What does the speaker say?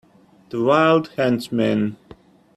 The wild huntsman.